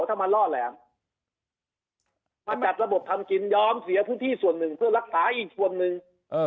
ถ้ามันล่อแหลมมาจัดระบบทำกินยอมเสียพื้นที่ส่วนหนึ่งเพื่อรักษาอีกส่วนหนึ่ง